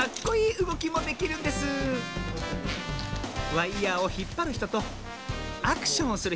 ワイヤーをひっぱるひととアクションをする